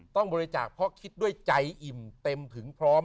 ต้องบริจาคเพราะคิดด้วยใจอิ่มเต็มถึงพร้อม